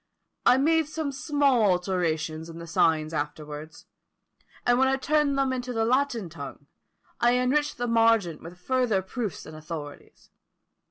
I made some small alterations in the signs afterwards; and when I turned them into the Latin tongue, I enriched the margent with further proofs and authorities.